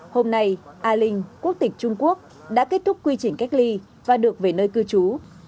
hôm nay al linh quốc tịch trung quốc đã kết thúc quy trình cách ly và được về nơi cư trú